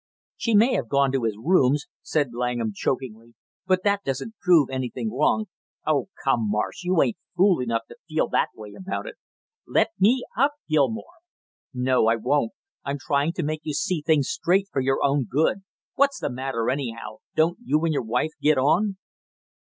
"She may have gone to his rooms," said Langham chokingly, "but that doesn't prove anything wrong " "Oh, come, Marsh, you ain't fool enough to feel that way about it " "Let me up, Gilmore!" "No, I won't; I'm trying to make you see things straight for your own good. What's the matter, anyhow; don't you and your wife get on?"